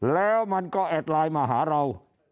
แล้วมันก็แอดไลน์มาหาเรา